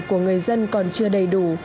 của người dân còn chưa đầy đủ